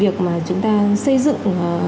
việc mà chúng ta xây dựng